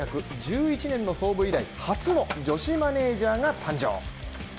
１９１１年の創部以来、初の女子マネージャーが誕生。